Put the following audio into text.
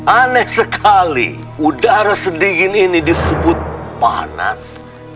aneh sekali udara sedingin ini disebut panas